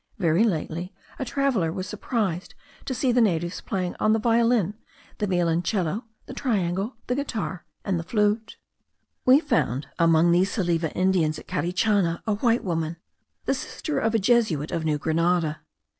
Very lately a traveller was surprised to see the natives playing on the violin, the violoncello, the triangle, the guitar, and the flute. We found among these Salive Indians, at Carichana, a white woman, the sister of a Jesuit of New Grenada.